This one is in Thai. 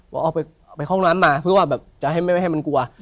มาข้องน้ำมาเพราะว่าจะไม่ให้กลัว